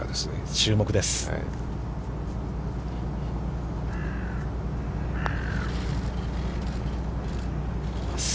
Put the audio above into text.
注目です。